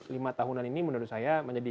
lima tahunan ini menurut saya menjadi